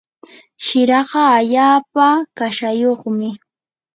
shiraka allaapa kashayuqmi.